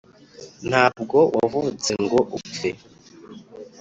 ntabwo wavutse ngo upfe.